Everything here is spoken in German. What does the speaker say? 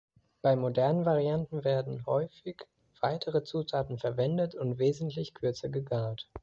Bei modernen Varianten werden häufig weitere Zutaten verwendet und wesentlich kürzer gegart.